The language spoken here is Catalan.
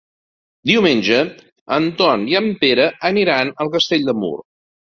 Diumenge en Ton i en Pere aniran a Castell de Mur.